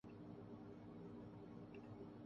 x Men Dark Phoenix میں Sophie Turner کا متاثر کن روپ